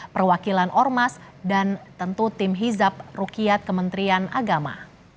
perwakilan ormas dan tentu tim hizab rukiat kementerian agama